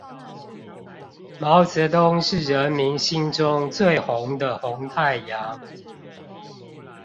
毛澤東是人民心中最紅的紅太陽